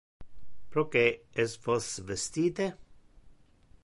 Proque es vos vestite?